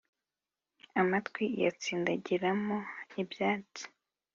amatwi iyatsindagira mo ibyatsi